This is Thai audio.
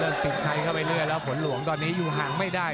ติดชัยเข้าไปเรื่อยแล้วฝนหลวงตอนนี้อยู่ห่างไม่ได้